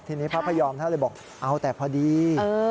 ทีนี้พระพยอมท่านเลยบอกเอาแต่พอดี